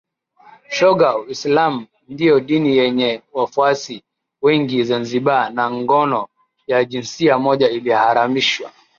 shoga Uislam ndio dini yenye wafuasi wengi Zanzibar na ngono ya jinsia moja iliharamishwa